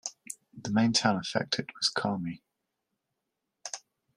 The main town affected was Carmi.